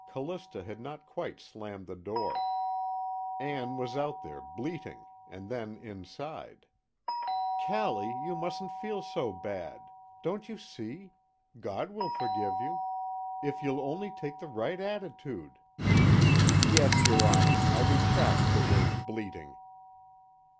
Callista had not quite slammed the door. Ann was out there, bleating, and then inside. "Callie, you mustn't feel so bad! Don't you see? God will forgive you. If you'll only take the right attitude!" _Yes, your Honor, I retract the word "bleating."